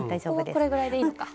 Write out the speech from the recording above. ここはこれぐらいでいいのか。